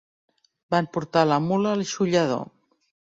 Van portar la mula al xollador.